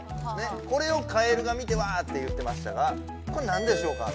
これをカエルが見て「わ」って言ってましたがこれ何でしょうか？